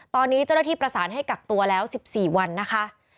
ตอนนี้เจ้าหน้าที่ประสานให้กักตัวแล้ว๑๔วันนะคะ